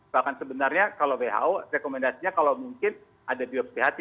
bahkan sebenarnya kalau who rekomendasinya kalau mungkin ada biopsi hati